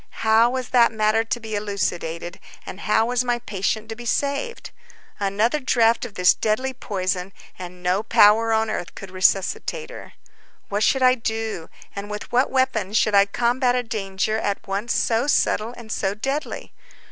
How was that matter to be elucidated, and how was my patient to be saved? Another draught of this deadly poison, and no power on earth could resuscitate her. What should I do, and with what weapons should I combat a danger at once so subtle and so deadly?